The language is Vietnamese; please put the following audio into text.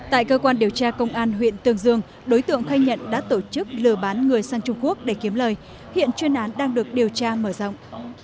tại cơ quan điều tra công an huyện tương dương đối tượng khai nhận đã tổ chức lừa bán người sang trung quốc để kiếm lời hiện chuyên án đang được điều tra mở rộng